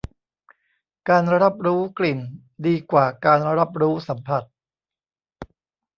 การรับรู้กลิ่นดีกว่าการรับรู้สัมผัส